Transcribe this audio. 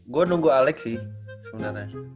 gue nunggu alex sih sebenarnya